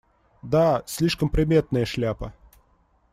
Да, слишком приметная шляпа.